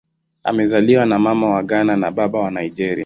Amezaliwa na Mama wa Ghana na Baba wa Nigeria.